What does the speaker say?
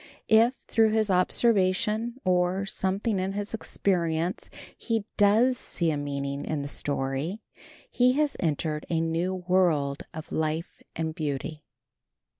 If, through his observation or something in his experience, he does see a meaning in the story he has entered a new world of life and beauty.